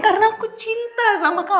karena aku cinta sama kamu